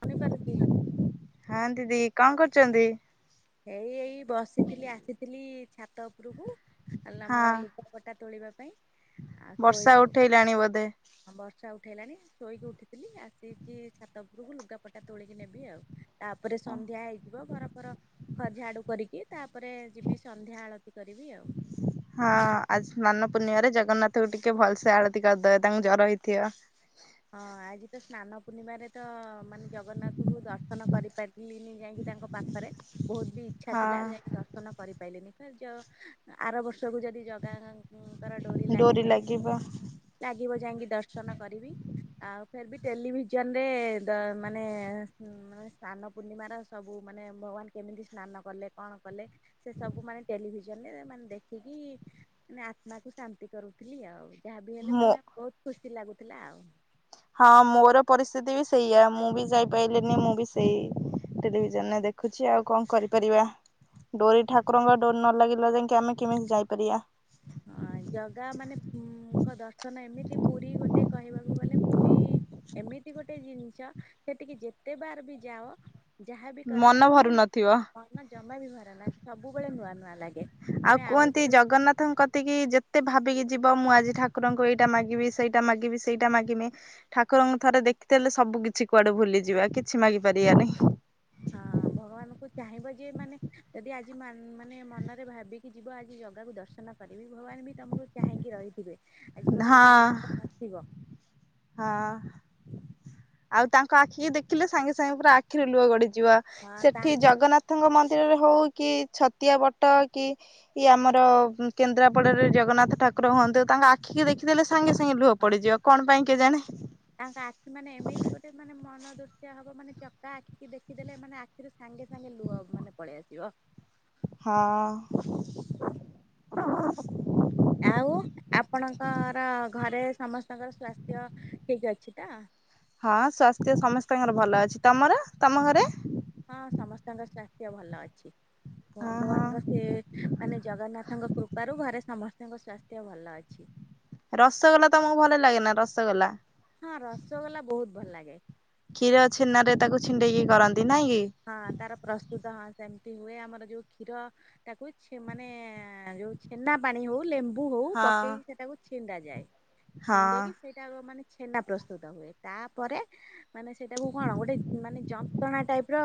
ଶୁଣିପାରୁଛି ହଁ ଦିଦି କଣ କରୁଛନ୍ତି? ଏଇ ଏଇ ବସିଥିଲି ଆସିଥିଲି ଛାତ ଉପରକୁ। ଆଲୋ ଆମର ହଁ ଲୁପାପଟା ତୋଳିବା ପାଇଁ ଆଉ ବର୍ଷା ଶୋଇକୁ ଉଠେଇଲାଣି ବୋଧେ। ହଁ ବର୍ଷା ଉଠେଇଲାଣି ଶୋଇକି ଉଠିଥିଲି ଆସିିକି ଛାତ ଉପରକୁ ଲୁଗାପଟା ତୋଳିକି ନେବି ଆଉ। ତାପରେ ସନ୍ଧ୍ୟା ହେଇଯିବ ଘର ଫର ହଁ ଝାଡୁ କରିକି ତାପରେ ଯିବି ସନ୍ଧ୍ୟା ଆଳତି କରିବି ଆଉ ହଁ ଆଜି ସ୍ନାନ ପୂର୍ଣ୍ଣିମାରେ ଜଗନ୍ନାଥଙ୍କୁ ଟିକେ ଭଲସେ ଆଳତି କରିଦେବେ ତାଙ୍କୁ ଜ୍ଵର ହେଇଥିବ। ହଁ ଆଜି ତ ସ୍ନାନ ପୂର୍ଣ୍ଣିମାରେ ତ ମାନେ ଜଗନ୍ନାଥଙ୍କୁ ଦର୍ଶନ କରି ଟଲିି ଯାଇକି ତାଙ୍କ ପାଖରେ କଲି। ଇଚ୍ଛା ହଁ ଥିଲା ଯାଇକି ଦର୍ଶନ କରିପାରିଲନି ଆର ବର୍ଷକୁ ଯଦି ଜଗା ର ଡୋରି ଲାଗିନି ଯାଇକି ଲାଗିବ ଯାଇକି ଦର୍ଶନ କରିବି? ଆଉ ଫେର ବି ଟେଲିଭିଜନ ରେ ମାନେ [inaudible] ସେ ସବୁ ମାନେ ଟେଲିଭିଜନ ରେ ମାନେ ଦେଖିକି ମାନେ ଆତ୍ମା କ ଶାନ୍ତି କରୁଥିଲି ଆଉ ଯହା ବି ହେଲେ ମୁଁ ମାନେ ବହୁତ ଖୁସି ଲାଗୁଥିଲା ଆଉ ହଁ ମୋର ପରିସ୍ଥିତି ବି ସେଇଆମୁଁ ବି ଯାଇପାରଲିିନି ମୁଁ ବି ସେଇ ଟେଲିଭିଜନରେ ଦେଖୁଛି ଆଉ କଣ କରିପାରିବା। ଡୋରି ଠାକୁରଙ୍କ ଡୋରି ନ ଲାଗିଲା ଯାଙ୍କେ ଆମେ କେମିତି ଯାଇପାରିବା? ଅଁ, ଜଗା ମାନେ ହୁଁ, ଙ୍କ ଦର୍ଶନ ଏମିତି ପୁରୀ ଗୋଟେ କହିବାକୁ ଗଲେ ପୁରୀ ଏମିତି ଗୋଟେ ଜିନିଷ ସେଠିକି ଯେତେ ବାର ବି ଯାଅ ଯାହାବି କର ମନ ମାନେ ଭରୁ ନଥିବ। ମନ ଜମା ବି ଭରେ ନା ସବୁବେଳେ ନୂଆ ନୂଆ ଲାଗେ। ଆଉ ଆମେ କୁହନ୍ତି କୋଉ ଜଗନ୍ନାଥଙ୍କ ତିକି ଯେତେ ଭାବିକି ଯିବ ମୁଁ ଆଜି ଠାକୁରଙ୍କୁ ଏଇଟା ମାଗିବି, ସେଇଟା ମାଗିବି, ସେଇଟା ମାଗିମି। ଠାକୁରଙ୍କୁ ଥରେ ଦେଖିଦେଲେ ସବୁ କିଛି କୁଆଡୁ ଭୁଲିଯିବା କିଛି ମାଗି ପାରିବାନାହିଁ। ହଁ ଭଗବାନଙ୍କୁୁ ଚାହିଁବ ଯେ ମାନେ ଯଦି ଆଜି ମାନ୍ ମାନେ ମନରେ ଭାବିକି ଯିବ ଆଜି ଜଗାକୁ ଦର୍ଶ ଶନ କରିବି, ଭଗବାନ ବି ତୋମକୁ ଚାହିଁକି ରହିଥିବେ ଆଜି ମୋର ହଁ ଗୋଟେ ଭକ୍ତ ଆସିବ। ହଁ ଆଉ ତାଙ୍କ ଆଖିକି ଦେଖିଲେ ସାଙ୍ଗେ ସାଙ୍ଗେ ପୁରା ଆଖିରେ ଲୁହ ଗଡିଯିବ। ହଁ ତା ସେଠି ଜଗନ୍ନାଥଙ୍କ ମନ୍ଦିରରେ ହଉ କି ଛତିଆ ବଟ କି କି ଆମର କେନ୍ଦ୍ରାପଡାରେ ଜଗନ୍ନାଥ ଠାକୁର ହୁଅନ୍ତୁ, ତାଙ୍କ ଆ ଆଖିକି ଦେଖିଦେଲେ ସାଙ୍ଗେ ସାଙ୍ଗେ ଲୁହ ହଁ ପଡିଯିବ କଣ ପାଇଁ କେଜାଣେ। ତାଙ୍କ ଆଖି ମାନେ ଏମିତି ଗୋଟ ଏତେ ମାନେ ମନ ଦୃଶ୍ୟ ହବ ମାନେ ଚକା ଆଖି ଦେଖିଦେଲେ ମାନେ ଆଖିରୁ ସାଙ୍ଗେ ସାଙ୍ଗେ ଲୁହ ମାନେ ପଳେଇ ଆସିବ। ହଁ। ଆଉ ଆପଣଙ୍କର ଘରେ ସମସ୍ତଙ୍କର ସ୍ୱାସ୍ଥ୍ୟ ଠିକ ଅଛି ତ? ହଁ ସ୍ବାସ୍ଥ୍ୟ ସମସ୍ତଙ୍କର ଭଲ ଅଛି, ତୋମର, ତୋମ ଘରେ? ହଁ ସମସ୍ତଙ୍କ ସ୍ୱାସ୍ଥ୍ୟ ଭଲ ଅଛି, ହଁ ହଁ ଭଗବାନଙ୍କ ସେ ମାନେ ଜଗନ୍ନାଥଙ୍କ କୃପାରୁ ଘରେ ସମସ୍ତଙ୍କ ସ୍ୱାସ୍ଥ୍ୟ ଭଲ ଅଛି। ରସଗୋଲା ତୋମକୁ ଭଲ ଲାଗେନା ରସଗୋଲା? ହଁ ରସଗୋଲା ବହୁତ ଭଲ ଲାଗେ। କ୍ଷୀର ଛେନାରେ ତାକୁ ଛିଣ୍ଡେଇକି କରନ୍ତି ନାଇଁ କି? ହଁ ତାର ପ୍ରସ୍ତୁତ ହଁ ସେମିତି ହୁଏ, ଆମର ଯୋଉ କ୍ଷୀର ତାକୁଇ ଛେ- ମାନେ ଯୋଉ ଛେନା ପାଣି ହଉ ଲେମ୍ ବୁ ହଉ ହଁ ପକେଇକି ସେଟାକୁ ଛିଣ୍ଡା ଯାଏ, ହଁ ଛିଣ୍ଡେଇକି ସେ ଟାକୁ ମାନେ ଛେନା ପ୍ରସ୍ତୁତ ହୁଏ, ତାପରେ ମାନେ ସେଇଟାକୁ କଣ ଗୋଟେ ମାନେ ଯନ୍ ଟଣା ଟାଇପ୍ ର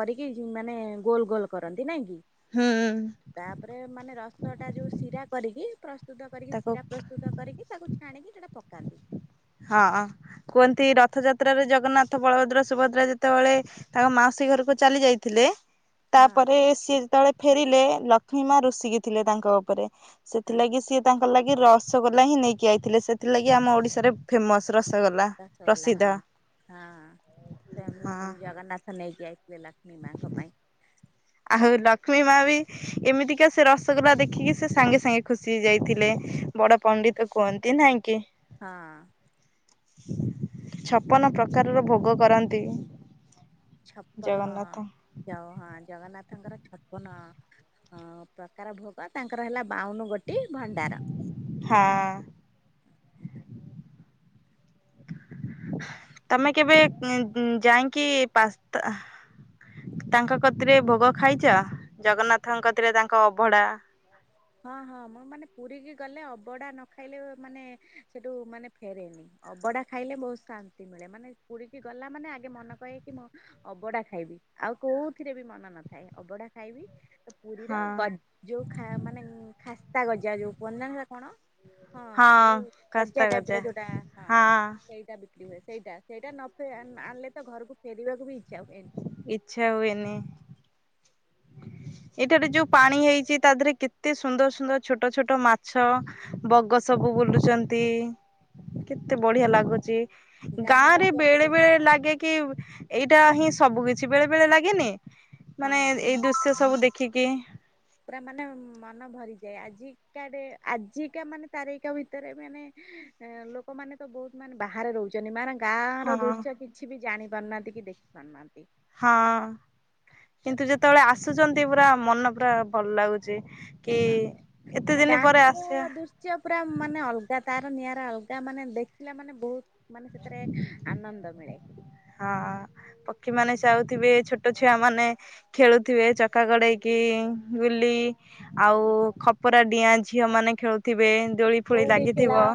କରିକି ଯୁ-ମାନେ ଗୋଲ ଗୋଲ କରନ୍ତି ନାଇଁ କି? ହୁଁ। ଏ ମାନେ ରସଟା ଯୋଉ ସିରା କରିକି ପ୍ରସ୍ତୁତ କରିକି ତାକୁ ସିରା ପ୍ରସ୍ତୁତ କରିକି ତାକୁ ଛାଣିକି ସେଟା ପକାନ୍ତି। ହଁ କୁହନ୍ତି ରଥଯାତ୍ରାରେ ଜଗନ୍ନାଥ, ବଳଭଦ୍ର, ସୁଭଦ୍ରା ଯେତେବେଳେ ତାଙ୍କ ମାଉସୀ ଘରକୁ ଚାଲି ଯାଇଥିଲେ। ହଁ ତାପରେ ସିଏ ଯେତେବେଳେ ଫେରିଲେ ଲକ୍ଷ୍ମୀ ମା ରୁଷିକି ଥିଲେ ତାଙ୍କ ଉପରେ। ହଁ ସେଥିଲାଗି ସିଏ ତାଙ୍କ ଲାଗି ରସଗୋଲା ହିଁ ନେଇକି ଆଇଥିଲେ। ସେଥିଲାଗି ଆମ ଓଡିଶାରେ ଫେମସ୍। ରସଗୋଲା। ରସଗୋଲା ପ୍ରସିଦ୍ଧ ହଁ, ହଁ ହଁ, ସେ ହଁ। ଉଁ, ଜଗନ୍ନାଥ ହଁ ନେଇକି ଆଇଥିଲେ ଲକ୍ଷ୍ମୀ ମାଙ୍କ ପାଇଁ। ଆହୁ ଲକ୍ଷ୍ମୀ ମା ବି ଏମିତିକା ସେ ରସଗୋଲା ଦେଖିକି ସେ ସାଙ୍ଗେ ସାଙ୍ଗେ ଖୁସି ହେଇ ଯାଇଥିଲେ। ବଡ ପଣ୍ଡିତ କୁହନ୍ତି ନାଇଁ କି? ହଁ। ଛପନ ପ୍ରକାରର ଭୋଗ କରନ୍ତି। ଛପନ ଜଗନ୍ନାଥ ଜ- ହଁ ଜଗନ୍ନାଥଙ୍କର ଛପନ ହଁ ପ୍ରକାର ଭୋଗ ତାଙ୍କର ହେଲା ବାଉନ ଗୋଟି ଭଣ୍ଡାର। ହଁ। ତମେ କେବେ ଉଁ- ଉଁ ଯାଇଁକି ପାସ୍ତା ତାଙ୍କ କତିରେ ଭୋଗ ଖାଇଚ ଜଗନ୍ନାଥଙ୍କ କତିରେ ତାଙ୍କ ଅଭଡା? ହଁ -ହଁ ମୁଁ ମାନେ ପୁରୀ କି ଗଲେ ଅବଢ଼ା ନ ଖାଇଲେ ମାନେ ସେଠୁ ମାନେ ଫେରେନି। ଅବଡା ଖାଇଲେ ବହୁତ୍ ଶାନ୍ତି ମିଳେ ମାନେ ପୁରୀ କି ଗଲା ମାନେ ଆଗେ ମନ କହେକି ମୁଁ ଅବଢା ଖାଇବି ଆଉ କଉଥିରେ ବି ମନ ନଥାଏ ଅବଢା ଖାଇବି ପୁରୀର ହଁ ଗ- ଯଉା ଖା-ମାନେ ଖାସ୍ତା ଗଜା ଯଉ କୁହନ୍ତି ନା କଣ ହଁ ଯଉ ଗଜା ଟାଇପ୍ ର ଯଉଟା ହଁ ସେଇଟା ବିକ୍ରି ହୁଏ। ସେଇଟା -ସେଇଟା ନ ଫେ- ଆଣିଲେ ତ ଘରକୁ ଫେରିବାକୁ ବି ଇଚ୍ଛା ହୁଏନି। ଇଚ୍ଛା ହୁଏନି। ଏଠାରେ ଯଉ ପାଣି ହେଇଚି ତା ଦେହରେ କେତେ ସୁନ୍ଦର୍ ସୁନ୍ଦର୍ ଛୋଟ ଛୋଟ ମାଛ ବଗ ସବୁ ବୁଲୁଚନ୍ତି କେତେ ବଢିଆ ଲାଗୁଚି। ଗାଁ ଗାଁର ରେ ବେଳେ ବେଳେ ପରିବେଶ ଲାଗେ କି ଏଇଟା ହିଁ ସବୁ କିଛି ବେଳେ ବେଳେ ଲାଗେନି ମାନେ ହଁ ଏଇ ଦୃଶ୍ୟ ସବୁ ଦେଖିକି ପୁରା ମାନେ ମନ ଭରିଯାଏ ଆଜିକା ଡେ- ଆଜିକା ମାନେ ତାରିଖ ଭିତରେ ମାନେ ଲୋକ ମାନେ ତ ବହୁତ୍ ମାନେ ବାହାରେ ରହୁଚ୍ [unintelligible] ଗାଁର ହଁ ଦୃଶ୍ୟ କିଛି ବି ଜାଣି ପାରୁନାହାଁନ୍ତି କି ଦେଖି ପାରୁନାହାଁନ୍ତି। ହଁ କିନ୍ତୁ ଯେତେବେଳେ ଆସୁଚନ୍ତି ପୁରା ମନ ପୁରା ଭଲ୍ ଲାଗୁଚି। କି ଏତେ ଦିନି ପରେ ଆସିବା ସିଏ ପୁରା ମାନେ ଅଲଗା ତାର ନିଆରା ଅଲଗା ମାନେ ଦେଖିଲା ମାନେ ବହୁତ୍ ମାନେ ସେଥେରେ ଆନନ୍ଦ ମିଳେ। ହଁ ପକ୍ଷୀମାନେ ଯାଉଥିବେ ଛୋଟ ଛୁଆ ମାନେ ଖେଳୁଥିବେ ଚକା ଗଡେଇକି ଗୁଲି ଆଉ ଖପରା ଡିଆଁ ଝିଅ ମାନେ ଖେଳୁଥିବେ ଦୋଳି ଫୋଳି କଉଡି ଖେଳ ଲାଗିଥିବ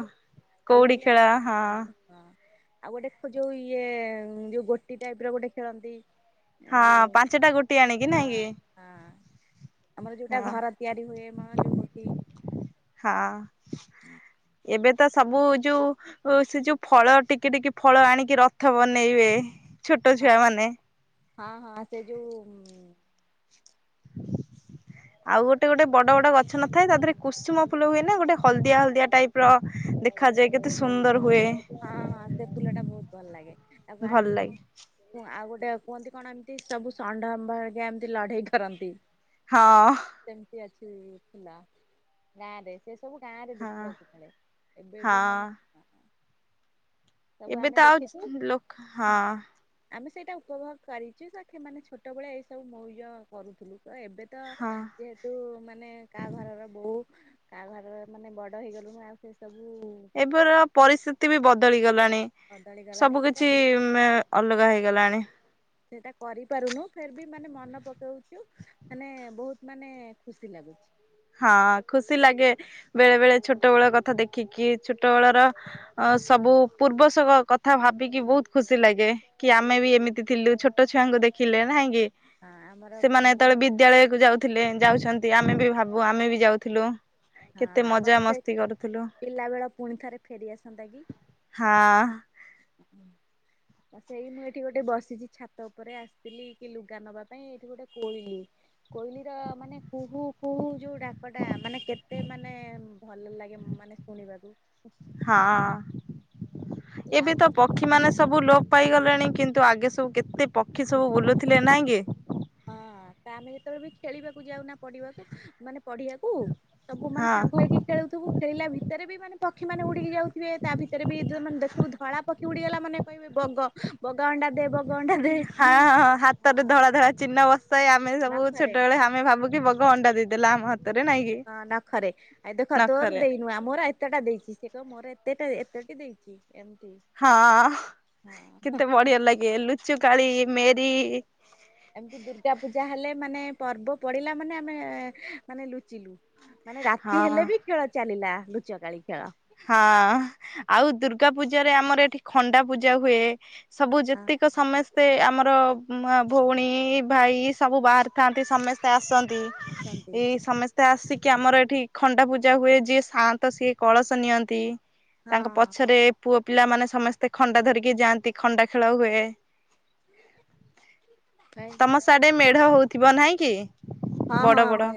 ଆଉ କଉଡି ଗୋଟେ ଖେଳ ହଁ। ହଁ ଆଉ ଗୋଟେ ଯଉ ଇଏ ଯଉ ଗୋଟି ଟାଇପ୍ ର ଗୋଟେ ଖେଳନ୍ତି। ଏ ହଁ ଯଉ ପାଞ୍ଚଟା ଗୋଟି ଆଣିକି ନାଇଁ କି ହଁ- ହଁ ଆମର ଯଉଟା ହଁ ଘର ତିଆରି ହୁଏ ମାମା ଯଉ ଗୋଟି ହଁ ଏବେ ତ ସବୁ ଯଉ ଓ ସେ ଯଉ ଫଳ ଟିକେ ଟିକେ ଫଳ ଆଣିକି ରଥ ବନେଇବେ ଛୋଟ ହଁ ଛୁଆ ମାନେ। ହଁ- ହଁ ସେ ଯଉ ଆଉ ଗୋଟେ ଗୋଟେ ବଡ ବଡ ଗଛ ନଥାଏ ତା ଦେହରେ କୁସୁମ ଫୁଲ ହୁଏ ନି ଗୋଟେ ହଳଦିଆ ହଳଦିଆ ଟାଇପ୍ ର ଦେଖାଯାଏ କେତେ ସୁନ୍ଦର୍ ହୁଏ। ହଁ- ହଁ ସେ ଫୁଲ ଟା ବହୁତ୍ ଭଲ ଲାଗେ ତାକୁ ଭଲ ଆଣିକି ଲାଗେ କଣ ଆଉ ଗୋଟେ କୁହନ୍ତି କଣ ଏମିତି ସବୁ [unintelligible] ଏମିତି ଲଢେଇ କରନ୍ତି। ହଁ। କେମିତି ଆସିବି ଥିଲା। ଗାଁ ରେ ସେ ସବୁ ଗାଁ ରେ ହଁ ଦେଖିବାକୁ ମିଳେ ଏବେ ହଁ ବି ମାନେ ସବୁ ଏବେ ଆମେ ତ ଆଉ ଦେଖିଚୁ ଲୋକ ହଁ ଆମେ ସେଇଟା ଉପଭୋଗ କରିଚୁ ତ ମାନେ ଛୋଟ ଭଳିଆ ଏଇ ସବୁ ମ- ଇଏ କରୁଥିଲୁ ତ ଏବେ ତ ହଁ ଯେହେତ୍ ତୁ ମାନେ କା ଘରର ବହୂ କା ଘରର ମାନେ ବଡ ହେଇଗଲୁଣୁ ଆଉ ସେ ସବୁ ଏବେର ପରିସ୍ଥିତି ବି ବଦଳି ଗଲାଣି ବଦଳି ଗଲାଣି ସବୁ ସେଟା କିଛି ଏଁ ଅଲଗା ହେଇଗଲାଣି। ସେଇଟା କରିପାରୁନୁ ଫେରବି ମାନେ ମନେ ପକଉଛୁ। ମାନେ ବହୁତ ମାନେ ଖୁସି ଲାଗୁଛି। ହଁ ଖୁସି ଲାଗେ ବେଳେ ବେଳେ ଛୋଟବେଳ କଥା ଦେଖିକି ଛୋଟବେଳର। ଅ ସବୁ ପୂର୍ବ କଥା ଭାବିକି ବହୁତ ଖୁସି ଲାଗେ। କି ଆମେ ବି ଏମିତି ଥିଲୁ ଛୋଟ ଛୁଆଙ୍କୁ ଦେଖିଲେ ନାଇଁ କି। ହଁ ଆମର ସେମାନେ ଯେତେବେଳେ ମାନେ ବିଦ୍ୟାଳୟକୁ ଯାଉଥିଲେ ଯାଉଛନ୍ତି ଆମେ ବି ଭାବୁ ଆମେ ବି ଯାଉଥିଲୁ। ହଁ ଆମର ସେ ପିଲାବେଳ ପୁଣି ଥରେ ଫେରିଆସନ୍ତା କି? ହଁ। ହୁଁ। ସେଇ ମୁଁ ଏଠି ଗୋଟେ ବସିଛି ଛାତ ଉପରେ ଆସିଥିଲି କି ଲୁଗା ନବା ପାଇଁ ଏଇଠି ଗୋଟେ କୋଇଲି। କୋଇଲି ର ମାନେ କୁହୁ କୁହୁ ଯୋଉ ଡାକଟା ମାନେ କେତେ ମତେ ମାନେ ଭଲ ଲାଗେ ମାନେ ଶୁଣିବାକୁ। ହଁ ଏ ଏବେ ଆମ୍ବ ତ ପକ୍ଷୀମାନେ ସବୁ ଲୋପ ପାଇଗଲେଣି କିନ୍ତୁ ଆଗେ ସବୁ କେତେ ପକ୍ଷୀ ସବୁ ବୁଲୁଥିଲେ ନାହିଁ କି। ହଁ ତାହାଲେ ଯେତେବେଳେ ବି ଖେଳିବାକୁ ଯାଉନା ପଢିବାକୁ ମାନେ ପଢିଆକୁ। ସବୁ ମାନେ ହଁ ସାଙ୍ଗ ହେଇକି ଖେଳୁଥିବୁ ଖେଳିଲା ଭିତରେ ବି ମାନେ ପକ୍ଷୀ ମାନ ଉଡିକି ଯାଉଥିବେ ତା ଭିତରେ ବି ମାନେ ଦେଖିବୁ ଧଳା ପକ୍ଷୀ ଉଡିଗଲା ମାନେ କହିବେ ବଗ ବଗ ଅଣ୍ଡା ଦେ ବଗ ଅଣ୍ଡା ଦେ ହଁ ହଁଁ ହାତରେ ହଁ ଧଳା ଧଳା ଚିହ୍ନ ବସ ସେଇ ଆମେ ସବୁ ନଖରେ ଛୋଟବେଳେ ଆମେ ଭାବୁ କିି ବଗ ଅଣ୍ଡା ଦେଇଦେଲା ଆମ ହାତରେ ନାଇଁକି। ହଁ ନଖରେ ଆଉ ଦେଖ ତୋର ଦେଇନୁହଁ ମୋର ଏତେଟା ଦେଇଛି ସେ କହ ମୋର ଏତେଟା ଏତେଟି ଦେଇଛି ଏମତି। ହଁ କେତେ ବଢିଆ ଲାଗେ ଲୁଚୁକାଳି ମେରି। ଏମିତି ଦୁର୍ଗା ପୂଜା ହେଲେ ମାନେ ପର୍ବ ପଡିଲା ମାନେ ଆମେ ମାନେ ଲୁଚିଲୁ। ମାନେ ରାତି ହଁ ହେଲେ ବି ଖେଳ ଚାଲିଲା ଲୁଚକାଳି ଖେଳ। ହଁ ଆଉ ଦୁର୍ଗା ପୂଜାରେରେ ଆମର ଏଠି ଖଣ୍ଡା ପୂଜା ହୁଏ। ସବୁ ହଁ ଯେତିକ ସମୟ ସେ ଆମର ଭଉଣୀ ଭାଇ ସବୁ ବାହାରିଥାନ୍ତି ସମସ୍ତେ ଆସନ୍ତି। ଆସନ୍ତି ଏଇ ସମସ୍ତେ ଆସିକି ଆମର ଏଠି ଖଣ୍ଡା ପୂଜା ହୁଏ ଯିଏ ସାନ୍ତ ସିଏ କଳସ ନିଅନ୍ତି ତାଙ୍କ ହଁ ପଛରେ। ପୁଅ ପିଲାମାନୋନେ ସମସ୍ତେ ଖଣ୍ଡା ଧରିକି ଯାଆନ୍ତି ଖଣ୍ଡା ଖେଳ ହୁଏ। କାଇଁ ତମ ସାଡେ ମେଢ ହଉଥିବ ନହିଁ କି? ହଁ ବଡ ହଁ ବଡ ମେ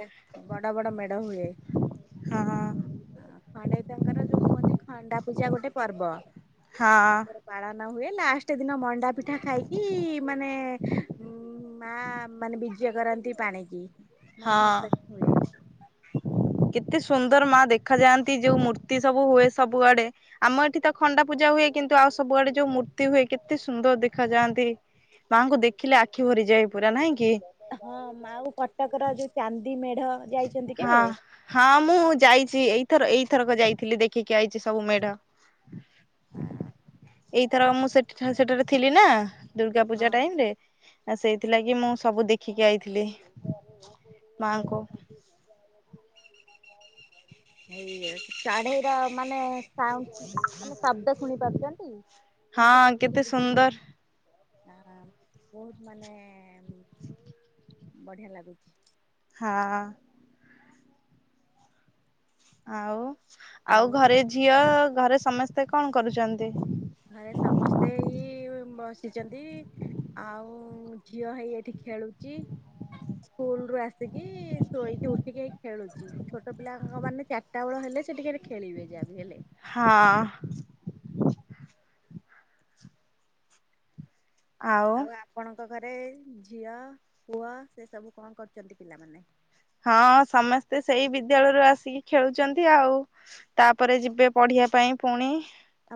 ବଡ ବଡ ମେଢ ହୁଏ। ହଁ ହଁ ଖଣ୍ଡେଇତଙ୍କର ଯୋଉ କୁହନ୍ତି ଖଣ୍ଡା ପୂଜା ଗୋଟେ ପର୍ବ ହଁ। ତାଙ୍କର। ପାଳନ ହୁଏ ଲାଷ୍ଟ ଦିନ ମଣ୍ଡା ପିଠା ଖାଇକି ମାନେ ମା ମାନେ ବିଜେ କରନ୍ତି ପାଣିକି ମାନେ ହଁ ଭଶାଣି ହୁଏ। କେତେ ସୁନ୍ଦର ମା ଦେଖା ଯାଆନ୍ତି ଯୋଉ ମୂର୍ତ୍ତି ସବୁ ହୁଏ ସବୁଆଡେ। ଆମ ଏଠି ତ ଖଣ୍ଡା ପୂଜା ହୁଏ କିନ୍ତୁ ଆଉ ସବୁଆଡେ ଯୋଉ ମୂର୍ତ୍ତି ହୁଏ କେତେ ସୁନ୍ଦର ଦେଖାଯାଆନ୍ତି। ମାଆଙ୍କୁ ଦେଖିଲେ ଆଖି ଭରିଯାଏ ପୁରା ନାଇଁ କି। ହଁ ଆଉ କଟକର ଯୋଉ ଚାନ୍ଦି ମେଢ ଯାଇଛନ୍ତି କେବେ। ହଁ ହଁ ମୁଁ ଯାଇଛି ଏଇଥର ଏଇଥରକ ଯାଇଥିଲି ଦେଖିକି ଆଇଛି ସବୁ ମେଢ। ଏଇଥର ମୁଁ ସେଠ ସେଠାରେ ଥିଲି ନା। ଦୁର୍ଗା ପୂଜା ହଁ ଟାଇମ ରେ। ଆ ସେଇଥିଲା କିି ମୁଁ ସବୁ ଦେଖିକି ଆଇଥିଲି ମାଙ୍କୁ। ହେଇ ଶାଢ଼ୀର ମାନେ ସାଉଣ୍ଡ ଆମେ ଶବ୍ଦ ଶୁଣି ପାରୁଚନ୍ତି କେମିତି ହଁ କିଚିରି କେତେ ମିଚିରି ସୁନ୍ଦର ଆଁ ବୋହୁତ ମାନେ ବଢିଆ ଲାଗୁଚି। ହଁ। ଆଉ ଆଉ ଘରେ ଝିଅ ଘରେ ସମସ୍ତେ କଣ କରୁଚନ୍ତି? ଘରେ ସମସ୍ତେ ଏଇ ବସିଚନ୍ତି। ଆଉ ଝିଅ ହେଇ ଏଠି ଖେଳୁଚି। ସ୍କୁଲରୁ ଆସିକି ଶୋଇକି ଉଠିକି ଏଇ ଖେଳୁଚି। ଛୋଟ ପିଲାଙ୍କ ମାନେ ଚା ରିଟାବେଳ ହେଲେ ସେ ଟିକେ ଖେଳିବେ ଯାହା ବି ହେଲେ। ହଁ। ଆଉ ଆପଣଙ୍କ ଘରେ ଝିଅ ପୁଅ ସେ ସବୁ କଣ କରୁଚନ୍ତି ପିଲାମାନେ? ହଁ ସମସ୍ତେ ସେଇ ବିଦ୍ୟାଳୟରୁ ଆସିକି ଖେଳୁଚନ୍ତି ଆଉ। ତାପରେ ଯିବେ ପଢିବା ପାଇଁ ଫୁଣି।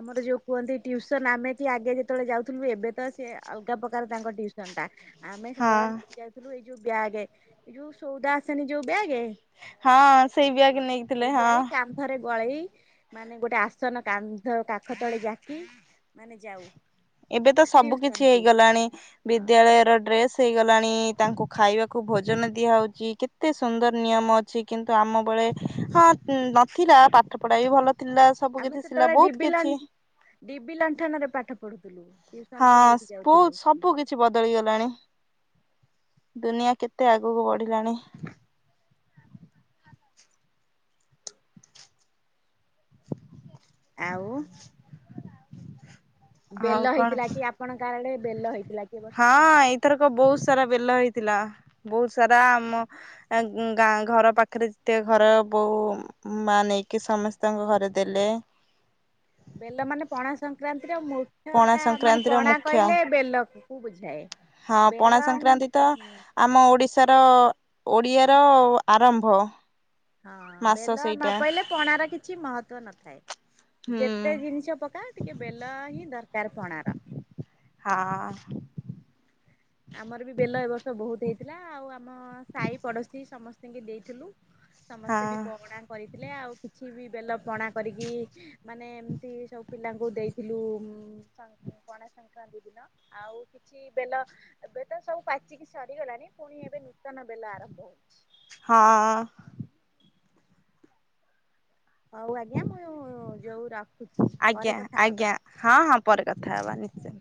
ଆମର ଯୋଉ କୁହନ୍ତି ଟିଉସନ୍ ଆମେ କି ଆଗେ ଯେତେବେଳେ ଯାଉଥିଲୁ ଏବେ ତ ସେ ଅଲଗା ପ୍ରକାର ତାଙ୍କ ଟିଉସନଟା। ଆମେ ହଁ ସେତେବେଳେ ନେଇକି ଯାଇଥିଲୁ ଏଇ ଯୋଉ ବ୍ୟାଗ ଏଇ ଯୋଉ ସୋଉଦା ଆସେନି ଯୋଉ ବ୍ୟାଗ। ହଁ ସେଇ ବ୍ୟାଗ ନେଇଥିଲେ ହଁ। ବ୍ୟାଗ୍ କାନ୍ଧରେ ଗଳେଇ ମାନେ ଗୋଟେ ଆସନ କା ନ୍ଧ କାଖ ତଳେ ଯାକି ମାନେ ଯାଉ। ଏବେ ତ ସବୁ ଟିଉସନ କିଛି କୁ ହେଇଗଲାଣି ହଁ ବିଦ୍ୟାଳୟର ଡ୍ରେସ ହେଇଗଲାଣି ତାଙ୍କୁ ଖାଇବାକୁ ଭୋଜନ ଦିଆହଉଚି କେତେ ସୁନ୍ଦର ନିୟମ ଅଛି। କିନ୍ତୁ ଆମ ବେଳେ ହଁ ନଥିଲା ପାଠ ପଢା ବି ଭଲ ଥିଲା। ସବୁ ଆମେ କିଛି ଥିଲା ସେତେବେଳେ ବହୁତ ଡିବି ଲ କିଛି ଡିବି ଲଣ୍ଠନରେ ପାଠ ପଢୁଥୁଲୁ। ହଁ ସ୍ପୁ ସବୁ କି ଛି ବଦଳି ଗଲାଣି ଦୁନିଆ କେତେ ଆଗକୁ ବଢିଲାଣି। ଆଉ ଆଉ ବେଲ କଣ ହେଇଥିଲା କି ଆପଣଙ୍କ ଆଡେ ବେଲ ହେଇଥିଲା କି ଏ ବର୍ଷ? ହଁ ଏଇଥରକ ବୋହୁତ ସାରା ବେଲ ହେଇଥିଲା ବୋହୁତ ସାରା ଆମ ଆଁ ଗୁଁ ଗାଁ ଘର ପାଖରେ ଯେତେ ଘର ବୋଉ ମା ନେଇକି ସମସ୍ତଙ୍କ ଘରେ ଦେଲେ। ବେଲ ମାନେ ପଣା ସଂକ୍ରାନ୍ତିର ପଣା ମୁଖ୍ୟଟା ମାନେ ସଂକ୍ରାନ୍ତିର ପଣା ମୁଖ୍ୟ କହିଲେ ବେଲ କୁ ବୁଝାଏ। ହଁ ପଣା ବେଲ ସଂକ୍ରାନ୍ତି ତ ହୁଁ ଆମ ଓଡିଶାର ଓଡିଆର ଆରମ୍ଭ। ହଁ ମାସ ବେଲ ନ ସେଇଟା ପଇଲେ ପଣାର କିଛି ମହତ୍ଵ ନଥାଏ। ହୁଁ ଯେତେ ଜିନିଷ ପକା ଟିକେ ବେଲ ହିଁ ଦରକାର ପଣାର। ହଁଅ। ଆମର ବି ବେଲ ଏ ବର୍ଷ ବୋହୁତ ହେଇଥିଲା ଆଉ ଆମ ସାହି ପଡୋଶୀ ସମସ୍ତଙ୍କୁ ଦେଇଥିଲୁ। ସମସ୍ତେ ହଁ ବି ପଣା କରିଥିଲେ ଆଉ କିଛି ବି ବେଲ ପଣା କରିକି ମାନେ ଏମିତି ସବୁ ପିଲାଙ୍କୁ ଦେଇଥିଲୁ ଉଁ ସଂ ପଣା ସଂକ୍ରାନ୍ତି ଦିନ ଆଉ କିଛି ବେଲ ବେଲ ସବୁ ପାଚିକି ସରିଗଲାଣି ଫୁଣି ଏବେ ନୂତନ ବେଲ ଆରମ୍ଭ ହୋଉଚି। ହଁ ଅ। ହୋଉ ଆଜ୍ଞା ମୁଁ ଯୋଉ ରଖୁଚି ଆଜ୍ଞା ପରେ କଥା ହବା। ଆଜ୍ଞା ହଁ ହଁ ପରେ କଥା ହବା ନିଶ୍ଚୟ।